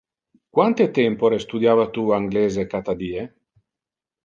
Quante tempore studiava tu anglese cata die?